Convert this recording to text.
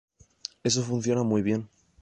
Eso funciona muy bien.